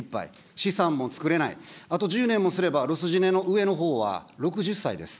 資産も作れない、あと１０年もすれば、ロスジェネの上のほうは６０歳です。